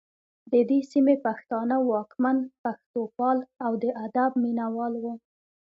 د دې سیمې پښتانه واکمن پښتوپال او د ادب مینه وال وو